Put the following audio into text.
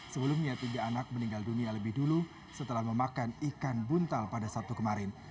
sebelumnya tiga anak meninggal dunia lebih dulu setelah memakan ikan buntal pada sabtu kemarin